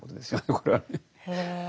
これはね。